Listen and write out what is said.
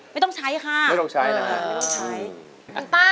ไม่ต้องใช้ค่ะไม่ต้องใช้นะฮะไม่ต้องใช้